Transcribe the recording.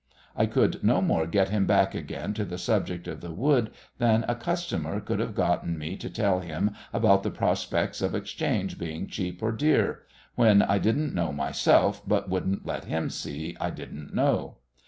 I could no more get him back again to the subject of the wood than a customer could have gotten me to tell him about the prospects of exchange being cheap or dear when I didn't know myself but wouldn't let him see I didn't know.